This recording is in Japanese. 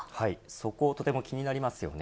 そこ、とても気になりますよね